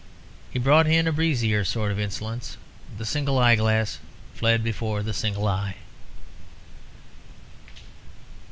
He brought in a breezier sort of insolence; the single eye glass fled before the single eye.